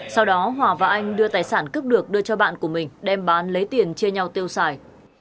sau đó hòa và anh đưa tài sản cướp được đưa cho bạn của mình đem bán lấy tiền chia nhau tiêu xài